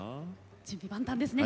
準備万端ですね。